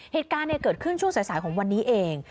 เหตุการณ์เกิดขึ้นช่วงสายของวันนี้เอง